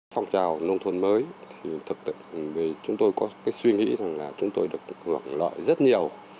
phong trào nông thôn mới thì thực tực vì chúng tôi có suy nghĩ rằng là chúng tôi được hưởng lợi rất nhiều